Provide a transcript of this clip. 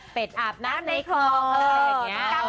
เป็ดอาบน้ำในของ